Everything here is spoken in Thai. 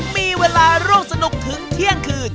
มีเวลาร่วมสนุกถึงเที่ยงคืน